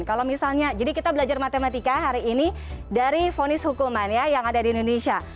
kalau misalnya jadi kita belajar matematika hari ini dari fonis hukuman ya yang ada di indonesia